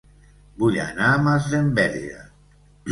Vull anar a Masdenverge